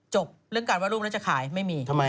จบเรื่องการวาดรูปแล้วจะขายไม่มี